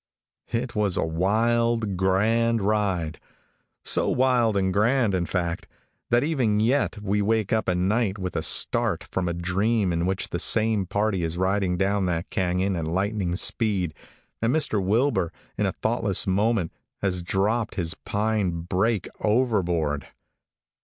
It was a wild, grand ride so wild and grand in fact that even yet we wake up at night with a start from a dream in which the same party is riding down that canon at lightning speed, and Mr. Wilbur, in a thoughtless moment, has dropped his pine brake overboard!